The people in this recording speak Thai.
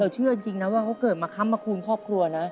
เราเชื่อจริงว่าเขาเกิดมาคำคูนครอบครัวนะ